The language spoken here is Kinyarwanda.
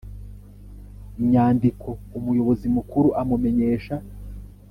Nyandiko umuyobozi mukuru amumenyesha